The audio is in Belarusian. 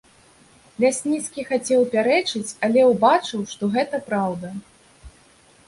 Лясніцкі хацеў пярэчыць, але ўбачыў, што гэта праўда.